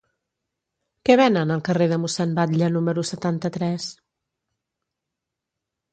Què venen al carrer de Mossèn Batlle número setanta-tres?